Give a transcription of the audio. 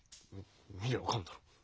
見りゃ分かるだろ。